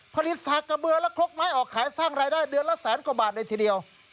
สากกระเบือและครกไม้ออกขายสร้างรายได้เดือนละแสนกว่าบาทเลยทีเดียว